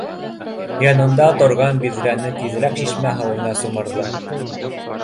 Янында торгам биҙрәне тиҙерәк шишмә һыуына сумырҙы